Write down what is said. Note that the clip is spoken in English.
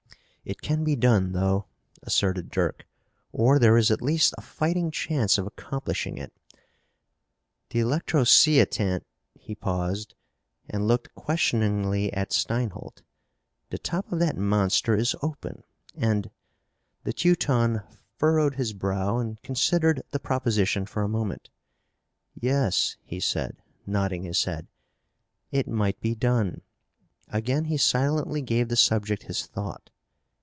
"It can be done, though," asserted Dirk, "or there is at least a fighting chance of accomplishing it. The electrosceotan " He paused, and looked questioningly at Steinholt. "The top of that monster is open and...." The Teuton furrowed his brow and considered the proposition for a moment. "Yes," he said, nodding his head, "it might be done." Again he silently gave the subject his thought.